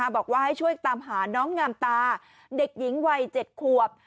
บอกว่าให้ช่วยตามหาน้องงามตาเด็กหญิงวัย๗ขวบ